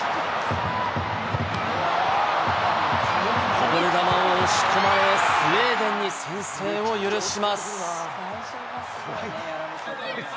こぼれ球を押し込まれ、スウェーデンに先制を許します。